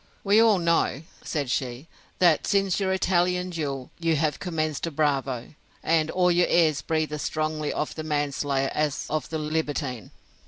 We all know, said she, that, since your Italian duel, you have commenced a bravo; and all your airs breathe as strongly of the manslayer as of the libertine.